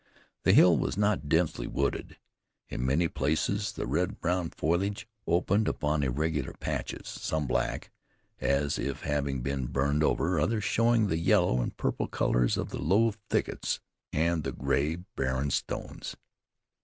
The hill was not densely wooded. In many places the red brown foliage opened upon irregular patches, some black, as if having been burned over, others showing the yellow and purple colors of the low thickets and the gray, barren stones.